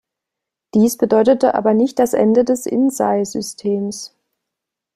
Dies bedeutete aber nicht das Ende des Insei-Systems.